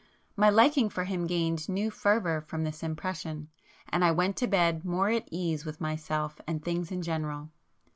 My liking for him gained new fervour from this impression, and I went to bed more at ease with myself and things in general.